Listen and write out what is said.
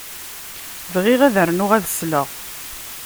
Bɣiɣ ad rnuɣ ad sleɣ.